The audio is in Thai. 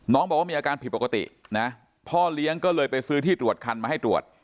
น้องบอกว่ามีอาการผิดปกตินะพ่อเลี้ยงก็เลยไปซื้อที่ตรวจคันมาให้ตรวจ